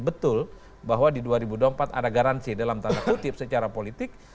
betul bahwa di dua ribu dua puluh empat ada garansi dalam tanda kutip secara politik